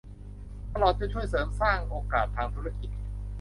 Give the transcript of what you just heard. ตลอดจนช่วยเสริมสร้างโอกาสทางธุรกิจ